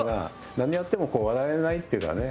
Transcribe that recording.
何やっても笑えないっていうかね